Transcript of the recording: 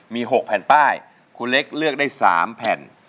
มี๖แผ่นป้ายคุณเล็กเลือกได้๓แผ่น